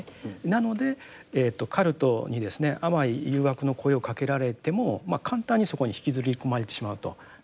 なのでカルトにですね甘い誘惑の声をかけられても簡単にそこに引きずり込まれてしまうと。